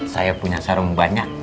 saya punya sarung banyak